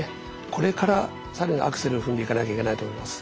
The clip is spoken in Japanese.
これから更にアクセルを踏んでいかなきゃいけないと思います。